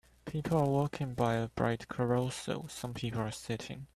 People are walking by a bright carousel some people are sitting.